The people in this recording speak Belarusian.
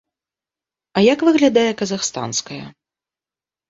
А як выглядае казахстанская?